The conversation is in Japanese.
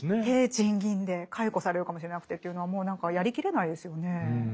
低賃金で解雇されるかもしれなくてというのはもう何かやりきれないですよね。